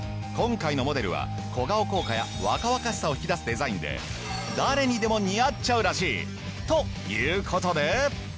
今回のモデルは小顔効果や若々しさを引き出すデザインで誰にでも似合っちゃうらしい。ということで。